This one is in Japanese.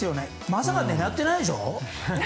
まさか狙ってないでしょ。